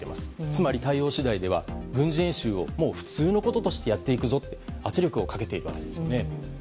つまり対応次第では軍事演習を普通のこととしてやっていくぞと圧力をかけていくわけですね。